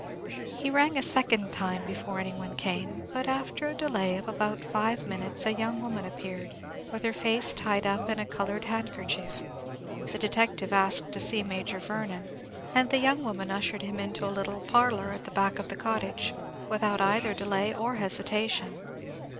He rang a second time before anyone came, but after a delay of about five minutes a young woman appeared, with her face tied up in a coloured handkerchief. The detective asked to see Major Vernon, and the young woman ushered him into a little parlour at the back of the cottage, without either delay or hesitation.